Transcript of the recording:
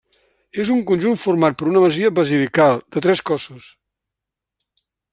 És un conjunt format per una masia basilical, de tres cossos.